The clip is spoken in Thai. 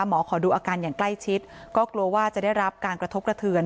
ขอดูอาการอย่างใกล้ชิดก็กลัวว่าจะได้รับการกระทบกระเทือน